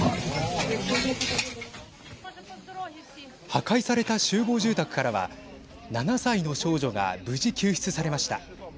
破壊された集合住宅からは７歳の少女が無事、救出されました。